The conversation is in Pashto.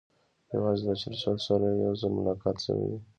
یوازې له چرچل سره یې یو ځل ملاقات شوی دی.